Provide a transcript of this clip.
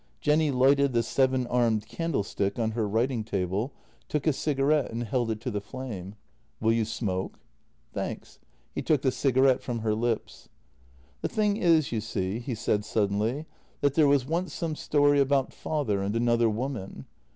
Jenny lighted the seven armed candlestick on her writing JENNY 151 table, took a cigarette, and held it to the flame: "Will you smoke? "" Thanks." He took the cigarette from her lips. " The thing is, you see," he said suddenly, " that there was once some story about father and another woman.